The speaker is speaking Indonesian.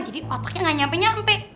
jadi otaknya gak nyampe nyampe